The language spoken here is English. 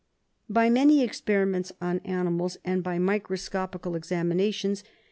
By many experiments on animals and by microscopical examinations.